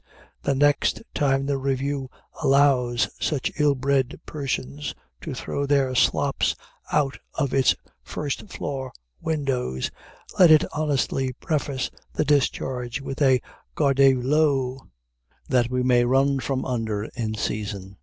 The next time the Revue allows such ill bred persons to throw their slops out of its first floor windows, let it honestly preface the discharge with a gardez l'eau! that we may run from under in season.